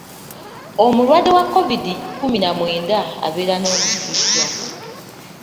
Omulwadde wa Kovidi kkumi na mwenda abeera n'omusujja.